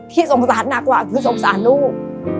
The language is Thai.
สงสารหนักกว่าคือสงสารลูก